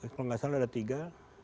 kalau nggak salah ada tiga